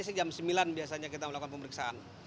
sejam sembilan biasanya kita melakukan pemeriksaan